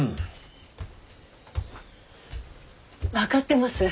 分かってます。